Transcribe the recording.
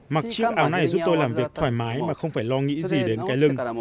mặc chiếc áo này giúp tôi làm việc thoải mái mà không phải lo nghĩ gì đến cái lưng